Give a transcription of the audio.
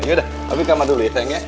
yaudah papi kamu dulu ya sayangnya